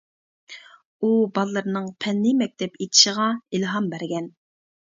ئۇ بالىلىرىنىڭ پەننىي مەكتەپ ئېچىشىغا ئىلھام بەرگەن.